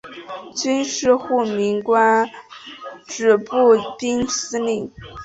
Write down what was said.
军事护民官原指步兵司令。